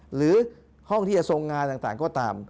หรือห้องที่จะทรงงานต่างก็ตาม